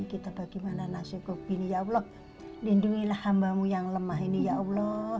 kita bagaimana nasibku bill ya allah lindungilah hambamu yang lemah ini ya allah